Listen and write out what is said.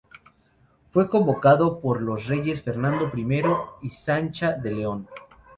Fue convocado por los reyes Fernando I y Sancha de León.